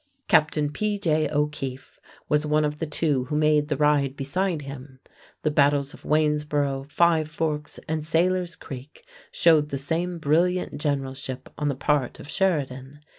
Captain P.J. O'Keefe was one of the two who made the ride beside him. The battles of Waynesboro, Five Forks, and Sailor's Creek showed the same brilliant generalship on the part of Sheridan.